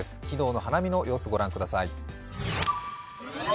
昨日の花見の様子、御覧ください。